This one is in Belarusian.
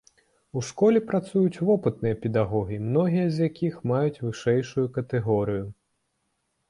У школе працуюць вопытныя педагогі, многія з якіх маюць вышэйшую катэгорыю.